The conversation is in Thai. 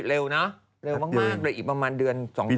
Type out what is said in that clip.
แล้วอีกประมาณเดือน๒ปี